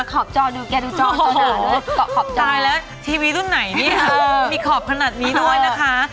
ขอบจอดูแกดูจอสนานขอบใจแล้วทีวีรุ่นไหนนี่ค่ะมีขอบขนาดนี้ด้วยนะคะ